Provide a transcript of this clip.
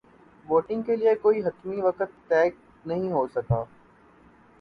voting کے لیے کوئی حتمی وقت طے نہیں ہو سکا